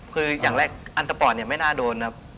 คืออย่างแรกอันสปอร์ตเนี่ยไม่น่าโดนครับ